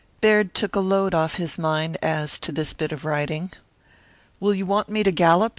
Baird took a load off his mind as to this bit of riding. "Will you want me to gallop?"